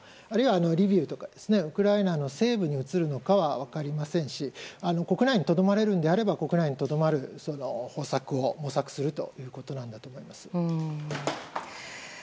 あるいはリビウとかウクライナの西部に移るのかは分かりませんし国内のとどまれるのであれば国内にとどまる方策を模索するということになるんだと思います。